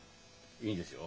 いいですよ。